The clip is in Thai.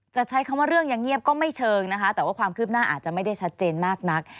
จะใช้คำว่าเรื่องยังเงียบก็ไม่เชิงนะคะแต่ว่าความคืบหน้าอาจจะไม่ได้ชัดเจนมากนัก